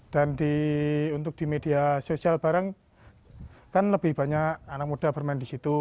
untuk di media sosial bareng kan lebih banyak anak muda bermain di situ